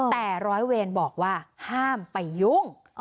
แต่ร้อยเวรบอกว่าห้ามไปยุ่ง